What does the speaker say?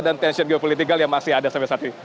dan tension geopolitikal yang masih ada sampai saat ini